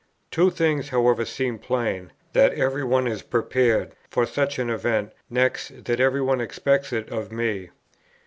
Two things, however, seem plain, that every one is prepared for such an event, next, that every one expects it of me.